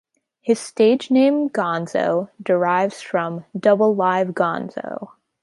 His stage name "Gonzo" derives from "Double Live Gonzo!